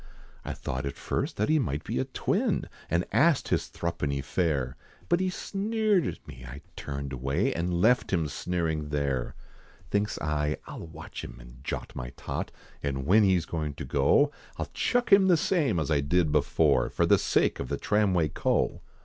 I thought at first that he might be a twin, And asked his thruppeny fare, But he sneered at me, I turned away, And left him sneering there! Thinks I, I'll watch him, and jot my tot, And when he is goin' to go, I'll chuck him the same, as I did before, For sake of the tramway co.